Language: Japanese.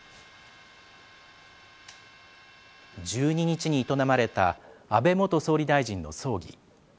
１２日に営まれた安倍元総理大臣の葬儀。